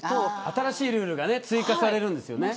新しいルールが追加されるんですよね。